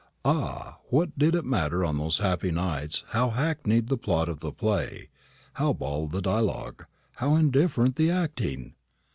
Ah, what did it matter on those happy nights how hackneyed the plot of the play, how bald the dialogue, how indifferent the acting!